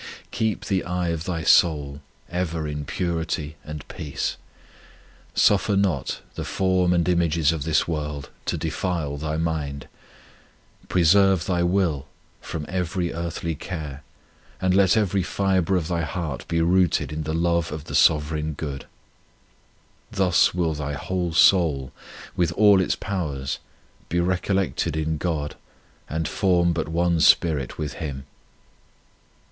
Keep the eye of thy soul ever in purity and peace; suffer not the form and images of this world to defile thy mind ; preserve thy will from every earthly care, and let every fibre of thy heart be rooted in the love of the Sovereign Good. Thus will thy whole soul, with all its powers, be recollected in God and form but one spirit with Him.